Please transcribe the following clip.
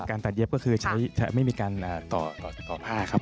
การตัดเย็บก็คือใช้ไม่มีการต่อผ้าครับ